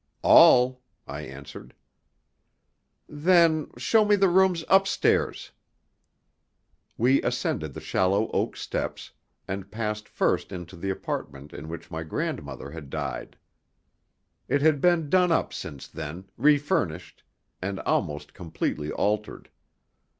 "All," I answered. "Then show me the rooms upstairs." We ascended the shallow oak steps, and passed first into the apartment in which my grandmother had died. It had been done up since then, refurnished, and almost completely altered.